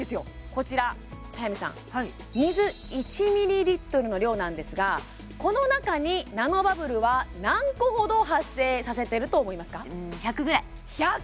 こちら早見さん水１ミリリットルの量なんですがこの中にナノバブルは何個ほど発生させてると思いますか１００！？